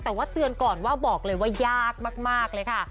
แต่ว่าเตือนก่อนว่าบอกเลยว่ายากมากเลยค่ะ